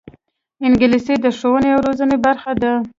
انګلیسي د ښوونې او روزنې برخه ده